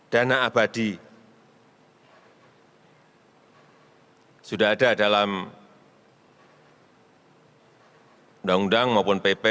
dana abadi sudah ada dalam undang undang maupun pp